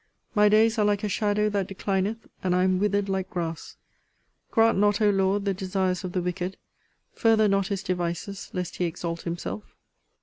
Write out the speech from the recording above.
My days are like a shadow that declineth, and I am withered like grass. Grant not, O Lord, the desires of the wicked: further not his devices, lest he exalt himself.